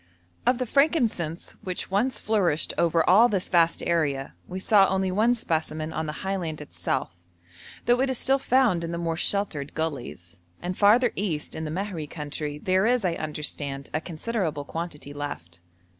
Of the frankincense which once flourished over all this vast area, we saw only one specimen on the highland itself, though it is still found in the more sheltered gullies; and farther east, in the Mahri country, there is, I understand, a considerable quantity left.